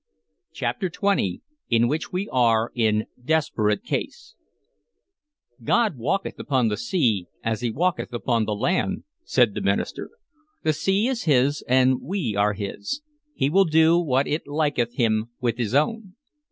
CHAPTER XX IN WHICH WE ARE IN DESPERATE CASE "GOD walketh upon the sea as he walketh upon the land," said the minister. "The sea is his and we are his. He will do what it liketh him with his own."